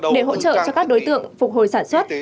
để hỗ trợ cho các đối tượng phục hồi sản xuất